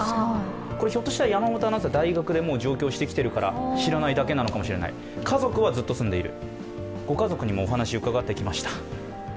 ひょっとしたら山本アナウンサー、大学で状況してきているから知らないだけなのかもしれない、家族はずっと住んでいる。